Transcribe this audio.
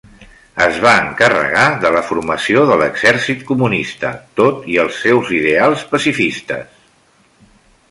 Es va encarregar de la formació de l'exèrcit comunista, tot i els seus ideals pacifistes.